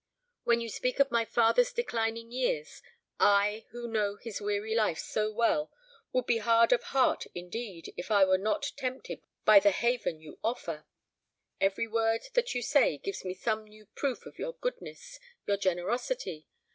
When you speak of my father's declining years, I, who know his weary life so well, would be hard of heart indeed if I were not tempted by the haven you offer. Every word that you say gives me some new proof of your goodness, your generosity.